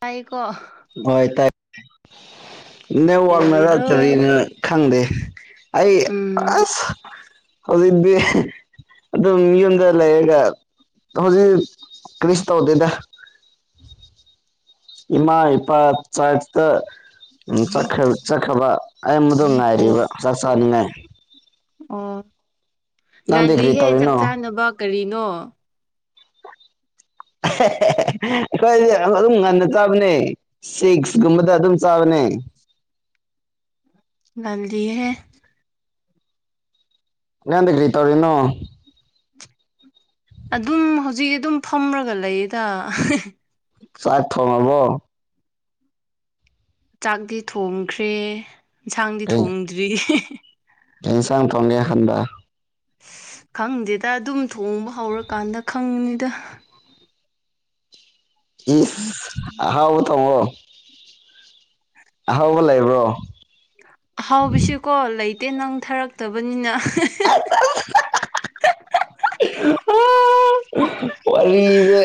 ꯇꯥꯏꯀꯣ [unintelligible] ꯍꯣꯏ ꯇꯥꯏ ꯅꯦꯋꯥꯛꯅꯔ ꯀꯩꯗꯧꯔꯤꯅꯣ ꯀꯔꯤꯅ ꯈꯪꯗꯦ ꯑꯩ ꯎꯝ ꯑꯁ ꯍꯧꯖꯤꯛꯗꯤ ꯑꯗꯨꯝ ꯌꯨꯝꯗ ꯂꯩꯔꯒ ꯍꯧꯖꯤꯛ ꯀ꯭ꯔꯤꯁꯨ ꯇꯧꯗꯦꯗ ꯏꯃꯥ ꯏꯄꯥ ꯆꯔꯇ ꯎꯝ ꯆꯠꯈ꯭ꯔꯦ ꯆꯠꯈ꯭ꯔꯕ ꯑꯩ ꯃꯗꯨ ꯑꯣ ꯉꯥꯏꯔꯤꯕ ꯆꯥꯛ ꯆꯥꯅꯤꯡꯉꯥꯏ ꯑꯣ ꯅꯪꯗꯤ ꯀꯔꯤ ꯉꯟꯂꯤꯍꯦ ꯆꯥꯛ ꯇꯧꯔꯤꯅꯣ ꯆꯥꯅꯕ ꯀꯔꯤꯅꯣ ꯑꯦ ꯍꯦ ꯍꯦ ꯍꯦ ꯑꯩꯈꯣꯏꯗꯤ ꯑꯗꯨꯝ ꯉꯟꯅ ꯆꯥꯕꯅꯦ ꯁꯤꯛꯁꯀꯨꯝꯕꯗ ꯑꯗꯨꯝ ꯆꯥꯕꯅꯦ ꯅꯦ ꯉꯜꯂꯤꯍꯦ ꯅꯪꯗꯤ ꯀ꯭ꯔꯤ ꯇꯧꯔꯤꯅꯣ ꯑꯗꯨꯝ ꯍꯧꯖꯤꯛ ꯑꯗꯨꯝ ꯐꯝꯔꯒ ꯂꯩꯌꯦꯗ ꯍꯥ ꯍꯤ ꯆꯥꯛ ꯊꯣꯡꯉꯕꯣ ꯆꯥꯛꯇꯤ ꯊꯣꯡꯈ꯭ꯔꯦ ꯏꯟꯁꯥꯡꯗꯤ ꯀꯩ ꯊꯣꯡꯗ꯭ꯔꯤ ꯍꯤ ꯍꯤ ꯀꯩ ꯍꯦꯟꯁꯥꯡ ꯊꯣꯡꯒꯦ ꯍꯟꯗ ꯈꯪꯗꯦꯗ ꯑꯗꯨꯝ ꯊꯣꯡꯕ ꯍꯧꯔꯀꯥꯟꯗ ꯈꯪꯅꯤꯗ ꯏꯁ ꯑꯍꯥꯎꯕ ꯊꯣꯡꯉꯣ ꯑꯍꯥꯎꯕ ꯂꯩꯕ꯭ꯔꯣ ꯑꯍꯥꯎꯕꯤꯁꯤꯀꯣ ꯂꯩꯇꯦ ꯅꯪ ꯊꯥꯔꯛꯇꯕꯅꯤꯅ ꯍꯦ ꯍꯦ ꯍ ꯍ ꯍ ꯑꯥ ꯋꯥꯔꯤꯖꯦ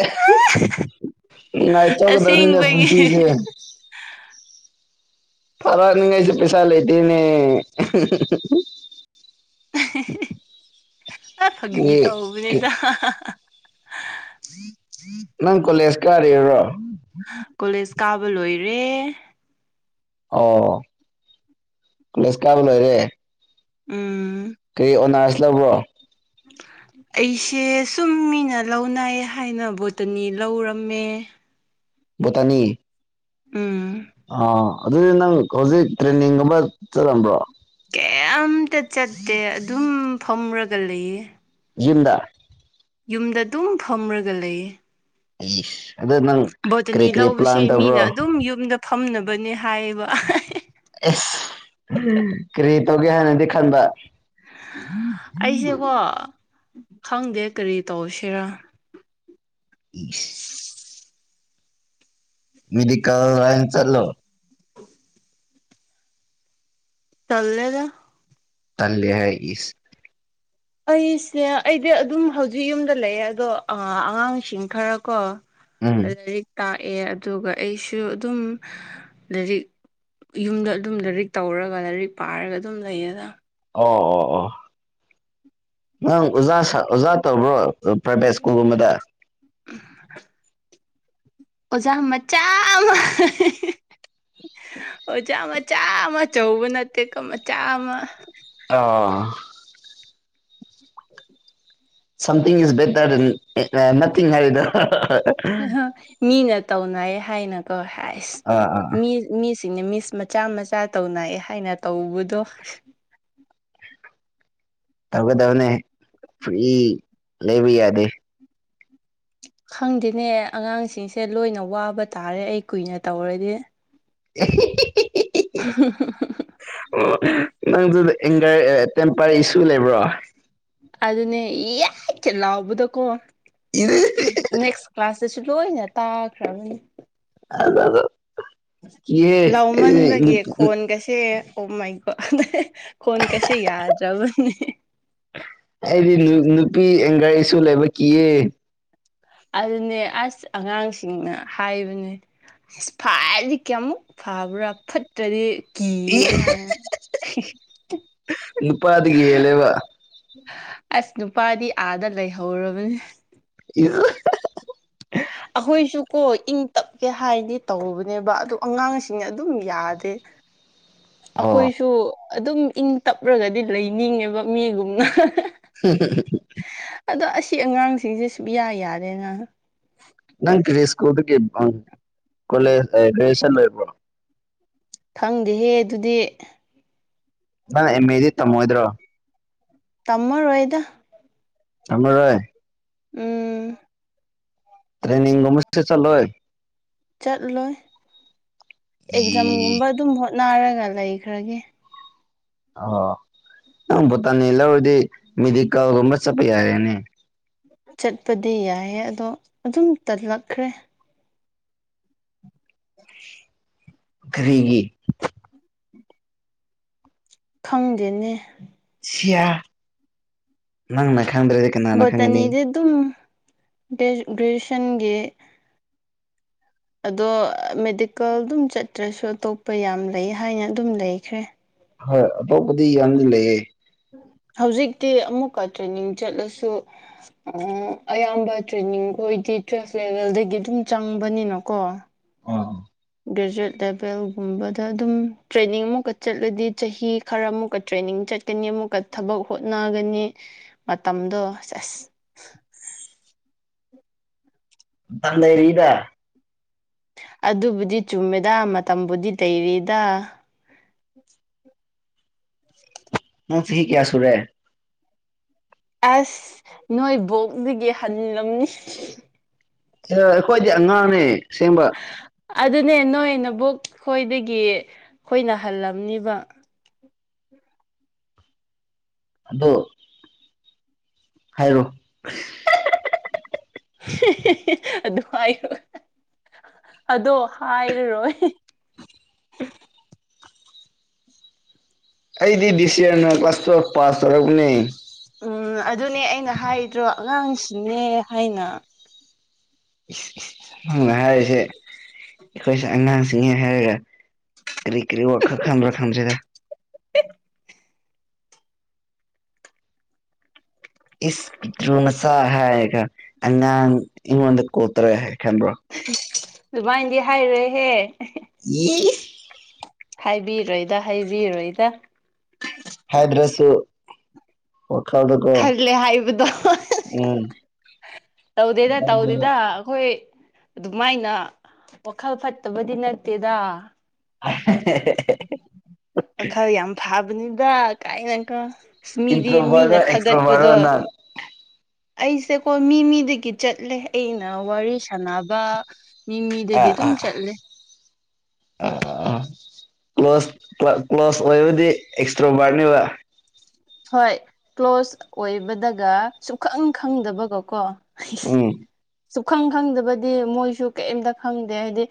ꯅꯨꯉꯥꯏꯊꯣꯛꯀꯗꯕꯅꯤꯅꯦ ꯑꯁꯦꯡꯕꯒꯤ ꯄꯨꯟꯁꯤꯁꯦ ꯊꯥꯔꯛꯅꯤꯉꯥꯏꯁꯨ ꯄꯩꯁꯥ ꯂꯩꯇꯦꯅꯦ [unintelligible] ꯑꯥ ꯐꯒꯤ ꯀꯔꯤ ꯇꯧꯕꯅꯤꯗ ꯍꯥ ꯍꯥ ꯍꯥ ꯅꯪ ꯀꯣꯂꯦꯖ ꯀꯥꯔꯤꯔꯣ ꯀꯣꯂꯦꯖ ꯀꯥꯕ ꯂꯣꯏꯔꯦ ꯑꯣ ꯀꯣꯂꯦꯖ ꯀꯥꯕ ꯂꯣꯏꯔꯦ ꯎꯝ ꯀꯔꯤ ꯑꯣꯅꯔꯁ ꯂꯧꯕ꯭ꯔꯣ ꯑꯩꯁꯦ ꯁꯨꯝ ꯃꯤꯅ ꯂꯧꯅꯩ ꯍꯥꯏꯅ ꯕꯣꯇꯅꯤ ꯂꯧꯔꯝꯃꯦ ꯕꯣꯇꯅꯤ ꯎꯝ ꯑꯥ ꯑꯗꯨꯗꯤ ꯅꯪ ꯍꯧꯖꯤꯛ ꯇ꯭ꯔꯦꯟꯅꯤꯡꯒꯨꯝꯕ ꯆꯠꯂꯝꯕ꯭ꯔꯣ ꯀꯩꯝꯇ ꯆꯠꯇꯦ ꯑꯗꯨꯝ ꯐꯝꯔꯒ ꯂꯩꯌꯦ ꯌꯨꯝꯗ ꯌꯨꯝꯗ ꯑꯗꯨꯝ ꯐꯝꯔꯒ ꯂꯩꯌꯦ ꯑꯦꯁ ꯑꯗꯣ ꯅꯪ ꯀꯔꯤ ꯕꯣꯇꯅꯤ ꯀꯔꯤ ꯄ꯭ꯂꯥꯟ ꯂꯧꯕꯁꯦ ꯇꯧꯕ꯭ꯔꯣ ꯃꯤꯅ ꯑꯗꯨꯝ ꯌꯨꯝꯗ ꯐꯝꯅꯕꯅꯦ ꯍꯥꯏꯌꯦꯕ ꯑꯦꯁ ꯀꯔꯤ ꯇꯧꯒꯦ ꯍꯥꯏꯅꯗꯤ ꯈꯟꯕ [unintelligible] ꯑꯩꯁꯦꯀꯣ ꯈꯪꯗꯦ ꯀꯔꯤ ꯇꯧꯁꯤꯔ ꯏꯁ [unintelligible] ꯇꯟꯂꯦꯗ ꯇꯟꯂꯦ ꯍꯥꯏ ꯏꯁ ꯑꯩꯁꯦ ꯑꯩꯗꯤ ꯑꯗꯨꯝ ꯍꯧꯖꯤꯛ ꯌꯨꯝꯗ ꯂꯩꯌꯦ ꯑꯗꯣ ꯑꯉꯥꯡꯁꯤꯡ ꯈꯔ ꯀꯣ ꯎꯝ ꯂꯥꯏꯔꯤꯛ ꯇꯥꯛꯑꯦ ꯑꯗꯨꯒ ꯑꯩꯁꯨ ꯑꯗꯨꯝ ꯂꯥꯏꯔꯤꯛ ꯌꯨꯝꯗ ꯑꯗꯨꯝ ꯂꯥꯏꯔꯤꯛ ꯇꯧꯔꯒ ꯂꯥꯏꯔꯤꯛ ꯄꯥꯔꯒ ꯑꯗꯨꯝ ꯂꯩꯌꯦꯗ ꯑꯣ ꯑꯣ ꯑꯣ ꯅꯪ ꯑꯣꯖꯥ ꯑꯣꯖꯥ ꯇꯧꯕ꯭ꯔꯣ ꯄ꯭ꯔꯥꯏꯚꯦꯠ ꯁ꯭ꯀꯨꯜꯒꯨꯝꯕꯗ ꯑꯣꯖꯥ ꯃꯆꯥꯥ ꯑꯃ [inaudible] ꯑꯣꯖꯥ ꯃꯆꯥ ꯑꯃ ꯑꯆꯧꯕ ꯅꯠꯇꯦꯀꯣ ꯃꯆꯥ ꯑꯃ ꯑꯥ something is better than nothing ꯍꯥꯏꯔꯤꯗꯣ ꯃꯤꯅ ꯇꯧꯅꯩ ꯍꯥꯏꯅ ꯀꯣ ꯍꯥꯏꯁ ꯑꯥ ꯃꯤ ꯃꯤꯁ ꯃꯆꯥ ꯃꯆꯥ ꯇꯧꯅꯩ ꯍꯥꯏꯅ ꯇꯧꯕꯗꯣ ꯇꯧꯒꯗꯕꯅꯦ ꯐꯔꯤ ꯂꯩꯕ ꯌꯥꯗꯦ ꯈꯪꯗꯦꯅꯦ ꯑꯉꯥꯡꯁꯤꯡꯁꯦ ꯂꯣꯏꯅ ꯋꯥꯕ ꯇꯥꯔꯦ ꯑꯩ ꯀꯨꯏꯅ ꯇꯧꯔꯗꯤ [unintelligible] [unintelligible] ꯅꯪꯁꯨ ꯑꯦꯡꯒꯔ ꯑꯥ ꯇꯦꯝꯄꯔ ꯏꯁꯨ ꯂꯩꯕ꯭ꯔꯣ ꯑꯗꯨꯅꯦ ꯌꯥꯏꯠ ꯀꯥ ꯂꯥꯎꯕꯗꯀꯣ ꯅꯦꯛꯁ ꯀ꯭ꯂꯥꯁꯇꯁꯨ ꯂꯣꯏꯅ ꯇꯥꯈ꯭ꯔꯕꯅꯤ ꯀꯤꯍꯦ ꯂꯥꯎꯃꯟꯕꯒꯤ ꯑꯩꯗꯤ ꯈꯣꯟꯒꯁꯦ ꯑꯣ ꯃꯥꯏ ꯍꯣꯗ ꯑꯗ ꯈꯣꯟ ꯀꯁꯦ ꯌꯥꯗ꯭ꯔꯕꯅꯦ ꯑꯩꯗꯤ ꯅꯨꯄꯤ ꯑꯦꯡꯒꯔ ꯏꯁꯨ ꯂꯩꯕ ꯀꯤꯌꯦ ꯑꯗꯨꯅꯦ ꯑꯁ ꯑꯉꯥꯡꯁꯤꯡꯅ ꯍꯥꯏꯕꯅꯦ ꯐꯔꯗꯤ ꯀꯌꯥꯃꯨꯛ ꯐꯕ꯭ꯔꯥ ꯐꯠꯇ꯭ꯔꯗꯤ ꯀꯤꯌꯦ ꯑꯦ ꯍꯥꯏꯅ ꯅꯨꯄꯥꯗꯒꯤ ꯍꯦꯜꯂꯦꯕ ꯑꯁ ꯅꯨꯄꯥꯗꯤ ꯑꯥꯗ ꯂꯩꯍꯧꯔꯕꯅꯤ [unintelligible] ꯑꯈꯣꯏꯁꯨꯀꯣ ꯏꯪ ꯇꯞꯀꯦ ꯍꯥꯏꯗꯤ ꯇꯧꯔꯨꯕꯅꯦꯕ ꯑꯗꯨ ꯑꯉꯥꯡꯁꯤꯡꯅ ꯑꯗꯨꯝ ꯌꯥꯗꯦ [inaudible] ꯑꯈꯣꯏꯁꯨ ꯑꯗꯨꯝ ꯏꯪ ꯇꯞꯔꯒꯗꯤ ꯂꯩꯅꯤꯡꯉꯦꯕ ꯃꯤꯒꯨꯝꯅ [unintelligible] ꯑꯗꯣ ꯑꯁꯤ ꯑꯉꯥꯡꯁꯤꯡꯁꯦ ꯁꯨꯞꯌꯥ ꯌꯥꯗꯦꯅ ꯅꯪ ꯀꯔꯤ ꯁꯀꯨꯜꯗꯒꯤ ꯑꯥ ꯀꯣꯂꯦꯖ ꯒ꯭ꯔꯦꯖꯨꯋꯦꯁꯟ ꯂꯣꯏꯕ꯭ꯔꯣ ꯈꯪꯗꯦꯍꯦ ꯑꯗꯨꯗꯤ ꯅꯪ ꯑꯦꯝ ꯃꯦꯗꯤ ꯇꯝꯃꯣꯏꯗ꯭ꯔꯣ ꯇꯝꯃꯔꯣꯏꯗ ꯊꯝꯃꯔꯣꯏ ꯎꯝ ꯇ꯭ꯔꯦꯅꯤꯡ ꯒꯨꯝꯕꯁꯨ ꯆꯠꯂꯣꯏ ꯆꯠꯂꯣꯏ ꯏ ꯑꯦꯛꯖꯥꯝꯒꯨꯝꯕ ꯑꯗꯨꯝ ꯍꯣꯠ ꯅꯥꯔꯒ ꯂꯩꯈ꯭ꯔꯒꯦ ꯑꯣ ꯅꯪ ꯚꯇꯥꯅꯤ ꯂꯧꯔꯗꯤ ꯃꯦꯗꯤꯀꯥꯜꯒꯨꯝꯕ ꯆꯠꯄ ꯌꯥꯔꯦꯅꯦ ꯆꯠꯄꯗꯤ ꯌꯥꯏꯌꯦ ꯑꯗꯣ ꯑꯗꯨꯝ ꯇꯜꯂꯛꯈ꯭ꯔꯦ ꯀ꯭ꯔꯤꯒꯤ ꯈꯪꯗꯦꯅꯦ ꯁꯤꯌꯥ ꯅꯪꯅ ꯈꯪꯗ꯭ꯔꯗꯤ ꯀꯅꯥꯅ ꯈꯪꯒꯅꯤ ꯚꯣꯠꯇꯅꯤꯗꯤ ꯑꯗꯨꯝ ꯒ꯭ꯔꯦ ꯒ꯭ꯔꯦꯖꯨꯌꯦꯁꯟꯒꯤ ꯑꯗꯣ ꯃꯦꯗꯤꯀꯦꯜ ꯑꯗꯨꯝ ꯆꯠꯇ꯭ꯔꯁꯨ ꯑꯇꯣꯞꯄ ꯌꯥꯝ ꯂꯩ ꯍꯥꯏꯅ ꯑꯗꯨꯝ ꯂꯩꯈ꯭ꯔꯦ ꯍꯣꯏ ꯑꯇꯣꯞꯄꯗꯤ ꯌꯥꯝꯗꯤ ꯂꯩꯌꯦ [unintelligible] ꯍꯧꯖꯤꯛꯇꯤ ꯑꯃꯨꯛꯀ ꯇ꯭ꯔꯦꯅꯤꯡ ꯆꯠꯂꯁꯨ ꯑꯌꯥꯝꯕ ꯇ꯭ꯔꯦꯅꯤꯡ ꯈꯣꯏ ꯇꯤꯆꯨꯋꯦꯁ ꯂꯦꯚꯦꯜꯗꯒꯤ ꯑꯗꯨꯝ ꯆꯪꯕꯅꯤꯅ ꯀꯣ ꯑꯣ ꯒ꯭ꯔꯦꯖꯨꯋꯦꯠ ꯂꯦꯚꯦꯜꯒꯨꯝꯕꯗ ꯑꯗꯨꯝ ꯇ꯭ꯔꯦꯅꯤꯡ ꯑꯃꯨꯛꯀ ꯆꯠꯂꯗꯤ ꯆꯍꯤ ꯈꯔ ꯑꯃꯨꯛꯀ ꯇ꯭ꯔꯦꯅꯤꯡ ꯆꯠꯀꯅꯤ ꯑꯃꯨꯛꯀ ꯊꯕꯛ ꯍꯣꯠꯅꯒꯅꯤ ꯃꯇꯝꯗꯣ ꯁꯦꯁ [inaudible] ꯃꯇꯝ ꯂꯩꯔꯤꯗ ꯑꯗꯨꯕꯨꯗꯤ ꯆꯨꯝꯃꯦꯗ ꯃꯇꯝꯕꯨꯗꯤ ꯇꯩꯔꯤꯗ [inaudible] ꯅꯪ ꯆꯍꯤ ꯀꯌꯥ ꯁꯨꯔꯦ ꯑꯁ ꯅꯣꯏ ꯕꯣꯛꯇꯒꯤ ꯍꯜꯂꯝꯅꯤ ꯑꯈꯣꯏꯗꯤ ꯑꯉꯥꯡꯅꯦ ꯑꯁꯦꯡꯕ ꯑꯗꯨꯅꯦ ꯅꯣꯏꯅꯕꯣꯛ ꯈꯣꯏꯗꯒꯤ ꯑꯈꯣꯏꯅ ꯍꯜꯂꯝꯅꯤꯕ ꯑꯗꯣ ꯍꯥꯏꯔꯣ [unintelligible] ꯍꯦ ꯍꯦꯍꯦ ꯑꯗꯨ ꯍꯥꯏꯔꯣ ꯑꯗꯣ ꯍꯥꯏꯔꯔꯣꯏ ꯑꯩꯗꯤ ꯕꯤꯁꯦꯝꯅ ꯀ꯭ꯂꯥꯁ ꯇꯨꯋꯦꯞ ꯄꯥꯁ ꯇꯧꯔꯛꯄꯅꯦ ꯎꯝ ꯑꯗꯨꯅꯦ ꯑꯩꯅ ꯍꯥꯏꯗ꯭ꯔꯣ ꯑꯉꯥꯡꯁꯤꯡꯅꯦ ꯍꯥꯏꯅ ꯏꯁ ꯏꯁ ꯅꯪꯅ ꯍꯥꯏꯔꯤꯁꯦ ꯑꯩꯈꯣꯏꯁꯦ ꯑꯉꯥꯡꯁꯤꯡꯅꯦ ꯍꯥꯏꯔꯒ ꯀꯔꯤ ꯀꯔꯤ ꯋꯥꯈꯜ ꯈꯟꯕ꯭ꯔ ꯈꯪꯗꯦꯗ [unintelligible] ꯏꯁ ꯄꯤꯇ꯭ꯔꯨ ꯃꯆꯥ ꯍꯥꯏꯔꯒ ꯑꯉꯥꯡ ꯑꯩꯉꯣꯟꯗ ꯀꯣꯜꯇꯧꯔꯦ ꯍꯥꯏ ꯈꯟꯕ꯭ꯔꯣ ꯑꯗꯨꯃꯥꯏꯗꯤ ꯍꯥꯏꯔꯣꯏꯍꯦ ꯌꯤ ꯍꯥꯏꯕꯤꯔꯣꯏꯗ ꯍꯥꯏꯕꯤꯔꯣꯏꯗ [unintelligible] ꯈꯜꯂꯦ ꯍꯥꯏꯕꯗꯣ ꯎꯝ ꯇꯧꯗꯦꯗ ꯇꯧꯗꯦꯗ ꯑꯈꯣꯏ ꯑꯗꯨꯃꯥꯏꯅ ꯋꯥꯈꯜ ꯐꯠꯇꯕꯗꯤ ꯅꯠꯇꯦꯗꯥ ꯃꯈꯜ ꯌꯥꯝ ꯐꯥꯕꯅꯤꯕꯥ ꯀꯥꯏꯅ ꯀꯣ ꯑꯁ ꯃꯤꯗꯤ ꯃꯤꯅ ꯏꯟꯇ꯭ꯔꯣꯚꯔꯔꯣ ꯑꯦꯛꯁꯇ꯭ꯔꯣꯚꯔꯔꯣ ꯊꯥꯒꯠꯄꯗꯣ ꯅꯪ ꯑꯩꯁꯦꯀꯣ ꯃꯤ ꯃꯤꯗꯒꯤ ꯆꯠꯂꯦ ꯑꯩꯅ ꯋꯥꯔꯤ ꯁꯥꯟꯅꯕ ꯃꯤ ꯃꯤ ꯗꯒꯤ ꯑꯗꯨꯝ ꯆꯠꯂꯦ ꯑ ꯑ ꯀ꯭ꯂꯣꯁ ꯀ꯭ꯂ ꯀ꯭ꯂꯣꯁ ꯑꯣꯏꯕꯗꯤ ꯑꯦꯛꯁꯇ꯭ꯔꯥ ꯚꯥꯢꯕꯅꯦꯕ ꯍꯣꯏ ꯀ꯭ꯂꯣꯁ ꯑꯣꯏꯕꯗꯒ ꯁꯨꯛꯈꯪ ꯈꯪꯗꯕꯒꯣ ꯀꯣ ꯎꯝ ꯁꯨꯛꯈꯪ ꯈꯪꯗꯕꯗꯤ ꯃꯣꯏꯁꯨ ꯀ꯭ꯌꯝꯇ ꯈꯪꯗꯦ ꯍꯥꯏꯗꯤ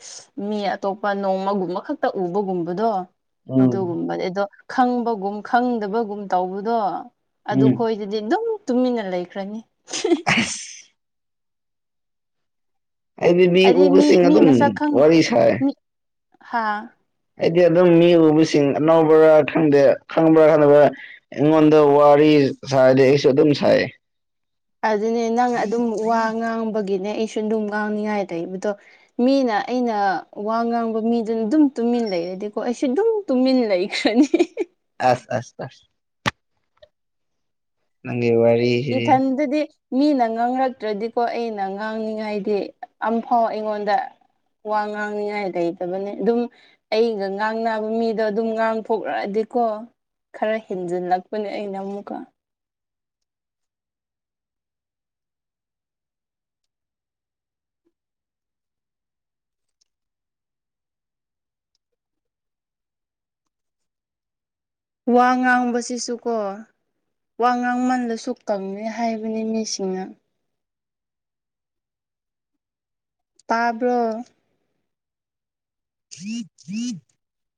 ꯃꯤ ꯑꯇꯣꯞꯄ ꯅꯣꯡꯃꯒꯨꯝꯕ ꯈꯛꯇ ꯎꯕꯒꯨꯝꯕꯗꯣ ꯎꯝ ꯑꯗꯨꯒꯨꯝꯕꯗꯤ ꯑꯗꯣ ꯈꯪꯕꯒꯨꯝ ꯈꯪꯗꯕꯒꯨꯝ ꯇꯧꯕꯗꯣ ꯑꯗꯨ ꯎꯝ ꯈꯣꯏꯗꯗꯤ ꯑꯗꯨꯝ ꯇꯨꯃꯤꯟꯅ ꯂꯩꯈ꯭ꯔꯅꯤ [unintelligible] ꯑꯩꯗꯤ ꯃꯤ ꯎꯕꯁꯤꯡ ꯃꯤ ꯃꯁꯛ ꯑꯗꯨꯝ ꯈꯪ ꯋꯥꯔꯤ ꯁꯥꯏ ꯃꯤ ꯍꯥꯥ ꯑꯩꯗꯤ ꯑꯗꯨꯝ ꯃꯤ ꯎꯕꯁꯤꯡ ꯑꯅꯧꯕꯔꯥ ꯈꯪꯗꯦ ꯈꯪꯕ꯭ꯔꯥ ꯈꯪꯗꯕ꯭ꯔꯥ ꯑꯩꯉꯣꯟ ꯗ ꯋꯥꯔꯤ ꯁꯥꯔꯗꯤ ꯑꯩꯁꯨ ꯑꯗꯨꯝ ꯁꯥꯏꯌꯦ ꯑꯗꯨꯅꯦ ꯅꯪ ꯑꯗꯨꯝ ꯋꯥ ꯉꯥꯡꯕꯒꯤꯅꯦ ꯑꯩꯁꯨ ꯑꯗꯨꯝ ꯉꯥꯡꯅꯤꯡꯉꯥꯏ ꯂꯩꯕꯗꯣ ꯃꯤꯅ ꯑꯩꯅ ꯋꯥ ꯉꯥꯡꯕ ꯃꯤꯗꯨꯅ ꯑꯗꯨꯝ ꯇꯨꯃꯤꯟ ꯂꯩꯔꯗꯤꯀꯣ ꯑꯩꯁꯨ ꯑꯗꯨꯝ ꯇꯨꯃꯤꯟ ꯂꯩꯈ꯭ꯔꯅꯤ ꯑꯁ ꯑꯁ ꯑꯁ ꯅꯪꯒꯤ ꯋꯥꯔꯤꯁꯤꯗꯤ ꯏꯊꯟꯗꯗꯤ ꯃꯤꯅ ꯉꯥꯡꯔꯛꯇ꯭ꯔꯗꯤꯀꯣ ꯑꯩꯅ ꯉꯥꯡꯅꯤꯡꯉꯥꯏꯗꯤ ꯑꯝꯐꯥꯎ ꯑꯩꯉꯣꯟꯗ ꯋꯥ ꯉꯥꯡꯅꯤꯉꯥꯏ ꯂꯩꯇꯕꯅꯦ ꯑꯗꯨꯝ ꯑꯩꯒ ꯉꯥꯡꯅꯕ ꯃꯤꯗꯣ ꯑꯗꯨꯝ ꯉꯥꯡꯊꯣꯛꯔꯛꯑꯗꯤ ꯀꯣ ꯈꯔ ꯍꯦꯟꯖꯤꯜꯂꯛꯄꯅꯦ ꯑꯩꯅ ꯑꯃꯨꯛꯀ ꯋꯥ ꯉꯥꯡꯕꯁꯤꯁꯨ ꯀꯣ ꯋꯥ ꯉꯥꯡꯃꯟꯂꯁꯨ ꯀꯪꯉꯤ ꯍꯥꯏꯕꯅꯤ ꯃꯤꯁꯤꯡꯅ ꯇꯥꯕ꯭ꯔꯣ [inaudible]